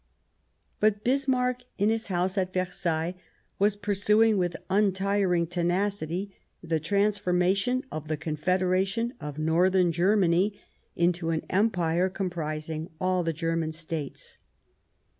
But Bismarck, in his house at Versailles, was pursuing, with untiring tcnacit3^ the transformation of the Confederation of Northern Ger ol°Paris^"^^'^* many into an Empire comiprising all the German States.